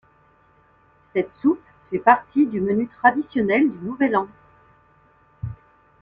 Cette soupe fait partie du menu traditionnel du Nouvel An.